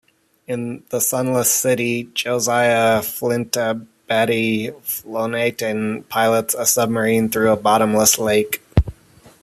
In "The Sunless City", Josiah Flintabbatey Flonatin pilots a submarine through a bottomless lake.